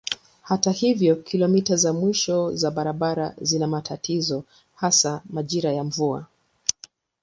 Hata hivyo kilomita za mwisho za barabara zina matatizo hasa majira ya mvua.